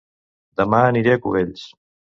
Dema aniré a Cubells